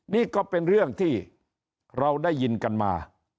นี่ก็เป็นเรื่องที่เราได้ยินกันมา